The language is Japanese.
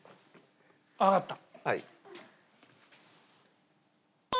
わかった。